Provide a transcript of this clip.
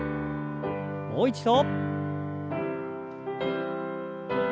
もう一度。